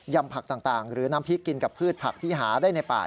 ผักต่างหรือน้ำพริกกินกับพืชผักที่หาได้ในป่า